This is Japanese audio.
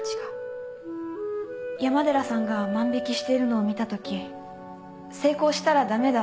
山寺さんが万引しているのを見たとき成功したら駄目だ。